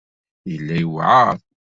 Yella yewɛeṛ.